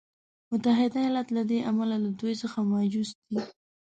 متحده ایالات له دې امله له دوی څخه مایوس دی.